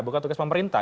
bukan tugas pemerintah